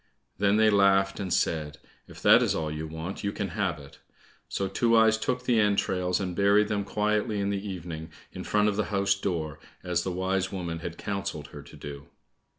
Then they laughed and said, "If that's all you want, you can have it." So Two eyes took the entrails and buried them quietly in the evening, in front of the house door, as the wise woman had counselled her to do.